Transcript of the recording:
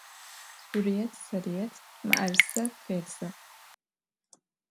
Zurıêt Sarıêt mı'erıse fêdzı.